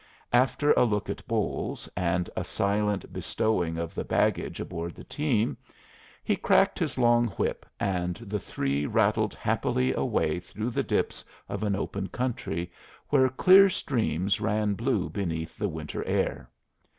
After a look at Bolles and a silent bestowing of the baggage aboard the team, he cracked his long whip and the three rattled happily away through the dips of an open country where clear streams ran blue beneath the winter air.